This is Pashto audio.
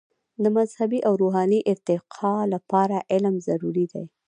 د مذهبي او روحاني ارتقاء لپاره علم ضروري دی.